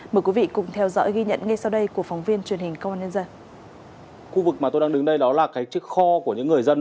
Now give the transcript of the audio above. mời quý vị cùng theo dõi ghi nhận ngay sau đây của phóng viên truyền hình công an nhân dân